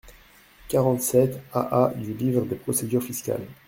quarante-sept AA du livre des procédures fiscales.